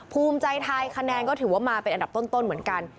ภูมิใจไทยคะแนนก็ถือว่ามาเป็นอันดับต้นเหมือนกัน